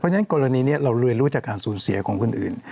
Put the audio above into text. เพราะฉะนั้นกรณีนี้เราเรียนรู้จากการสูญเสียของคนอื่น